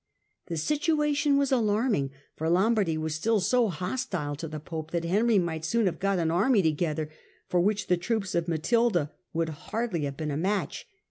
The situation wias alarming, for Lombardy was still so hostile to the pope that Henry might soon have got an army together for which the troops of Matilda would hardly Digitized by VjOOQIC 126 HlLDRBRAl^n have been a match.